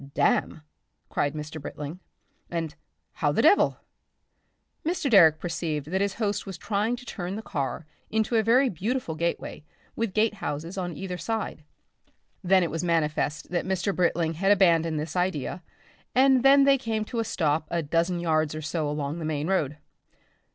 "Damn!" cried Mr. Britling, and "How the devil?" Mr. Direck perceived that his host was trying to turn the car into a very beautiful gateway, with gate houses on either side. Then it was manifest that Mr. Britling had abandoned this idea, and then they came to a stop a dozen yards or so along the main road.